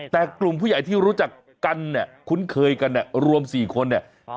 แต่กลุ่มผู้ใหญ่ที่รู้จักกันเนี่ยคุ้นเคยกันเนี่ยรวม๔คนเนี่ย